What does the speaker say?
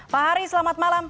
pak hari selamat malam